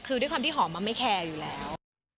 คือด้วยความที่หอมมันไม่แคร์อยู่แล้ว